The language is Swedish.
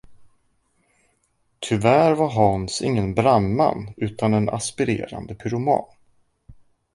Tyvärr var Hans ingen brandman, utan en aspirerande pyroman.